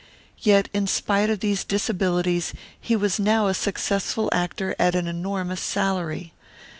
Yet in spite of these disabilities he was now a successful actor at an enormous salary.